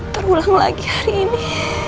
terulang lagi hari ini